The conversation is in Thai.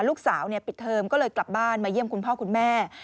ลูกสาวปิดเทอมก็เลยกลับบ้านมาเยี่ยมคุณพ่อคุณแม่